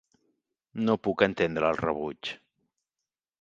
No pot entendre el rebuig.